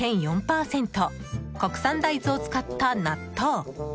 国産大豆を使った納豆。